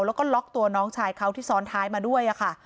แล้วก็ล็อกตัวน้องชายเขาที่ซ้อนท้ายมาด้วยค่ะ